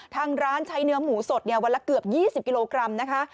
ทางร้านใช้เนื้อหมูสดวันละเกือบ๒๐กิโลกรัมนะคะ